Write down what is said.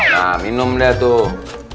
nah minum deh tuh